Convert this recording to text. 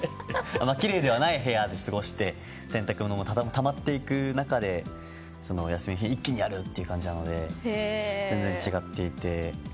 きれいではない部屋で過ごして洗濯物がたまっていく中で休みの日一気にやるという感じなので全然違っていて。